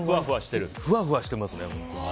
ふわふわしてますね。